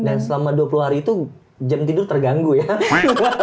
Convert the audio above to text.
dan selama dua puluh hari itu jam tidur terganggu ya